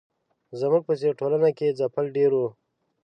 زموږ په څېر ټولنه کې ځپل ډېر وو.